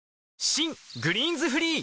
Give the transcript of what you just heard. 新「グリーンズフリー」